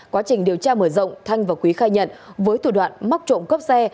quá trình điều tra mở rộng thanh và quý khai nhận với thủ đoạn móc trộm cắp xe